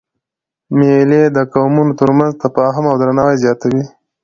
مېلې د قومونو تر منځ تفاهم او درناوی زیاتوي.